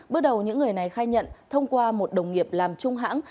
bước đầu những người này khai nhận thông qua một đồng nghiệp làm trung hãng